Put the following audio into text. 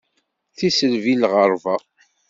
Tiselbi n lɣerba.